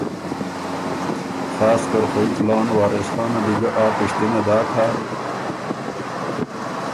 خاصکر خوئ کُلان وارث خانه دی ګه آ پِشتِنه داک هۀ؟